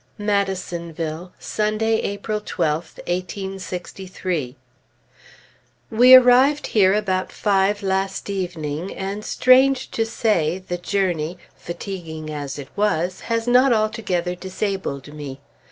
MADISONVILLE, Sunday, April 12th, 1863. We arrived here about five last evening, and, strange to say, the journey, fatiguing as it was, has not altogether disabled me.